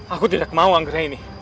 aku tidak mau akhirnya ini